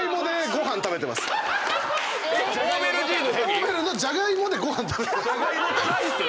オーベルのジャガイモでご飯食べてます。